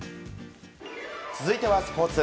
続いてはスポーツ。